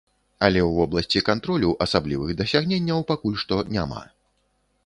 Але ў вобласці кантролю асаблівых дасягненняў пакуль што няма.